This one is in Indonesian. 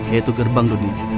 yaitu gerbang dunia